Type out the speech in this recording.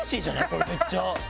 これめっちゃ。